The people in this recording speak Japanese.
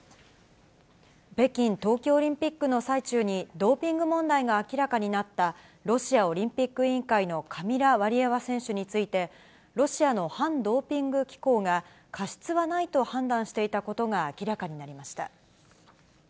北京冬季オリンピックの最中に、ドーピング問題が明らかになった、ロシアオリンピック委員会のカミラ・ワリエワ選手について、ロシアの反ドーピング機構が、過失はないと判断していたことが明らかになりました。